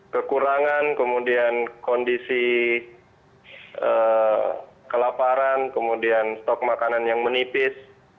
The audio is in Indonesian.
kekurangan kemudian kondisi kelaparan kemudian stok makanan yang menipis